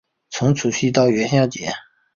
从除夕到元宵节